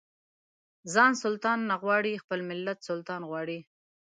ځان سلطان نه غواړي خپل ملت سلطان غواړي.